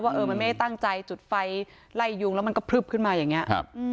เออมันไม่ได้ตั้งใจจุดไฟไล่ยุงแล้วมันก็พลึบขึ้นมาอย่างนี้